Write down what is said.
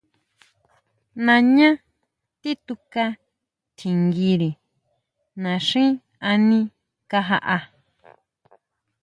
Nañá tituka tjinguire naxín aní kajaʼá.